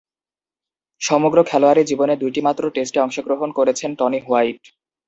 সমগ্র খেলোয়াড়ী জীবনে দুইটিমাত্র টেস্টে অংশগ্রহণ করেছেন টনি হোয়াইট।